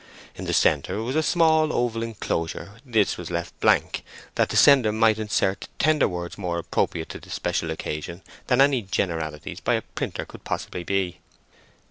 In the centre was a small oval enclosure; this was left blank, that the sender might insert tender words more appropriate to the special occasion than any generalities by a printer could possibly be.